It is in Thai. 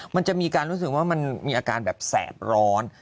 มันจะมีอาการแบบแสบร้อน